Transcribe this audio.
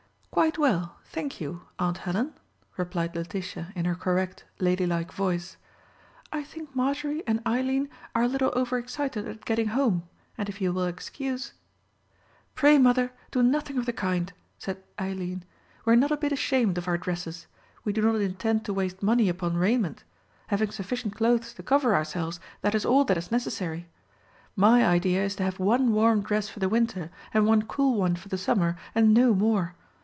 "Quite well, thank you, Aunt Helen," replied Letitia in her correct, ladylike voice. "I think Marjorie and Eileen are a little overexcited at getting home, and if you will excuse——" "Pray, mother, do nothing of the kind," said Eileen. "We are not a bit ashamed of our dresses; we do not intend to waste money upon raiment. Having sufficient clothes to cover ourselves, that is all that is necessary. My idea is to have one warm dress for the winter, and one cool one for the summer, and no more.